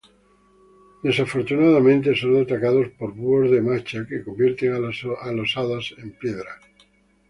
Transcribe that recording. Desafortunadamente, son atacados por búhos de Macha que convierte a los hadas en piedra.